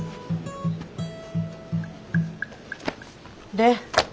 で？